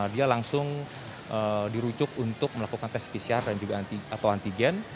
dia langsung dirujuk untuk melakukan tes pcr atau antigen